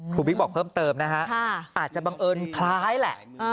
บิ๊กบอกเพิ่มเติมนะฮะอาจจะบังเอิญคล้ายแหละ